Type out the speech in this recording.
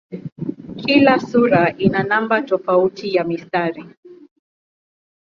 Kila sura ina namba tofauti ya mistari.